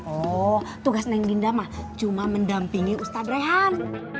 oh tugas neng dinda mah cuma mendampingi ustaz rehan